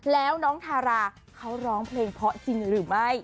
แล้วน้องทาราเขาร้องเพลงเพราะจริงหรือไม่